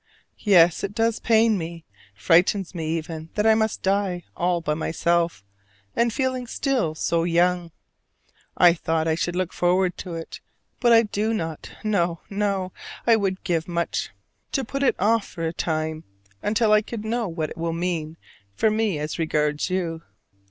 Yes, it does pain me, frightens me even, that I must die all by myself, and feeling still so young. I thought I should look forward to it, but I do not; no, no, I would give much to put it off for a time, until I could know what it will mean for me as regards you.